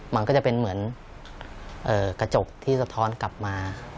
มันก็จะเป็นเหมือนกระจกที่สะท้อนกลับมา